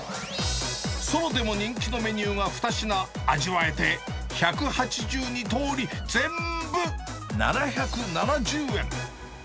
ソロでも人気のメニューが２品味わえて１８２とおり全部７７０円。